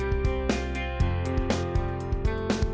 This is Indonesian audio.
aduh aduh aduh aduh